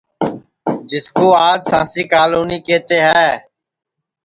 جِسکُو آج سانٚسی کالونی کیہتے ہے